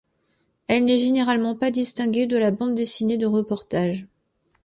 Elle n'est généralement pas distinguée de la bande dessinée de reportage.